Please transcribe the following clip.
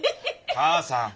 母さん。